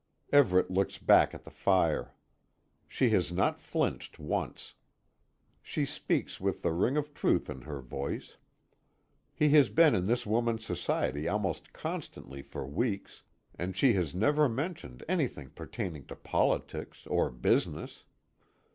Everet looks back at the fire. She has not flinched once. She speaks with the ring of truth in her voice. He has been in this woman's society almost constantly for weeks, and she has never mentioned anything pertaining to politics or "business."